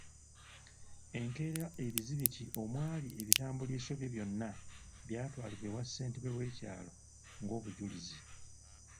Enkeera ebizibiti omwali ebitambuliiso bye byonna byatwalibwa ewa ssentebe w'ekyalo ng'obujulizi.